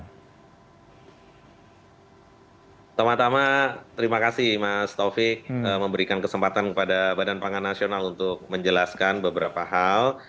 pertama tama terima kasih mas taufik memberikan kesempatan kepada badan pangan nasional untuk menjelaskan beberapa hal